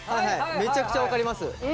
めちゃくちゃ分かります。